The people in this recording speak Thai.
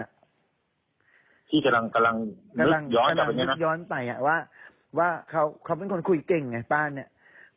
ที่กำลังย้อนไปว่าเขาเป็นคนคุยเก่งไงป้าเนี่ย